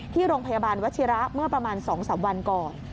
ที่โรงพยาบาลวัชิระเมื่อประมาณ๒๓วันก่อน